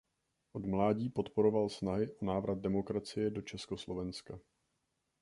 Od mládí podporoval snahy o návrat demokracie do Československa.